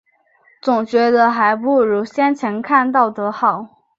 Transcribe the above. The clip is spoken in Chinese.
总觉得还不如先前看到的好